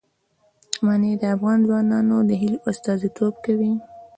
منی د افغان ځوانانو د هیلو استازیتوب کوي.